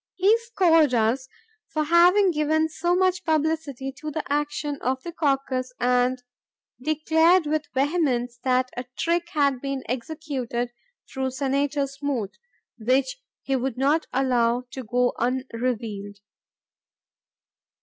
He scored us for having given so much publicity to the action of the caucus and declared with vehemence that a "trick" had been executed through Senator Smoot which he would not allow to go unrevealed.